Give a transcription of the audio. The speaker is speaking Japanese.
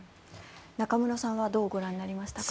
中室さんはどうご覧になりましたか？